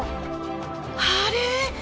あれ！？